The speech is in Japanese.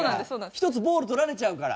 １つボールとられちゃうから。